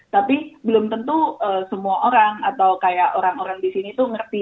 tapi belum tentu semua orang atau kayak orang orang disini itu ngerti